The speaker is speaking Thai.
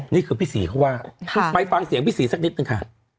นี่คือพี่ศรีเขาว่าไปฟังเสียงพี่ศรีสักนิดนึงค่ะ